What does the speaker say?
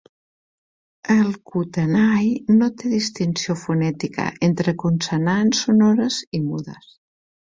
El Kutenai no té distinció fonètica entre consonants sonores i mudes.